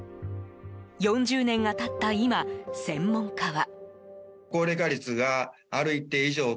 ４０年が経った今、専門家は。